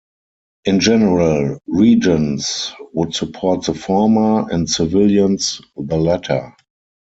In general, regents would support the former and civilians the latter.